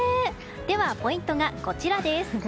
ポイントがこちらです。